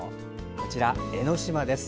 こちら、江の島です。